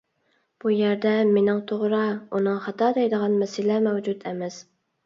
بۇ يەردە مېنىڭ توغرا، ئۇنىڭ خاتا دەيدىغان مەسىلە مەۋجۇت ئەمەس.